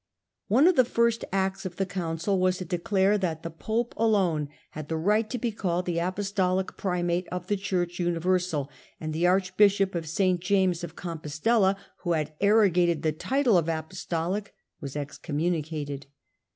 /^ One of the first acts of the council was to declare that the pope alone had the right to be called the \' Apostolic Primate of the Church Universal, and the archbishop of St. James of Compostella, who had arro gated the title of apostolic, was excommunicated.